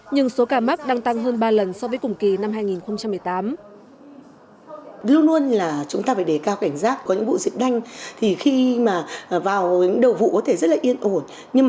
nhưng số ca mắc đang tăng hơn ba lần